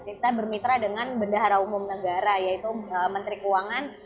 kita bermitra dengan bendahara umum negara yaitu menteri keuangan